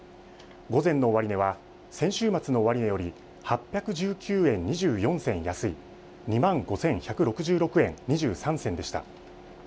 午前の終値は先週末の終値より８１９円２４銭安い、２万５１６６円２３銭でした。